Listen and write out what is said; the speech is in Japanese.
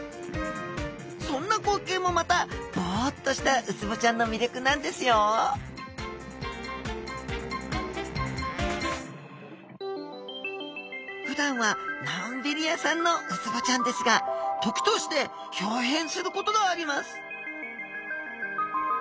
そんな光景もまたボッとしたウツボちゃんの魅力なんですよふだんはのんびり屋さんのウツボちゃんですが時としてひょう変することがあります